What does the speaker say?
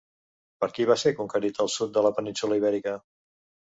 Per qui va ser conquerit el sud de la península Ibèrica?